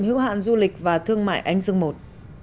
hữu hạn du lịch và thương mại anh dương i